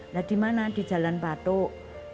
nah di mana di jalan batuk